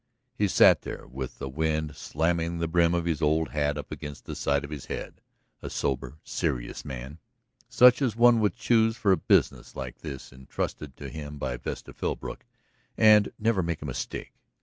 He sat there with the wind slamming the brim of his old hat up against the side of his head, a sober, serious man, such as one would choose for a business like this intrusted to him by Vesta Philbrook and never make a mistake.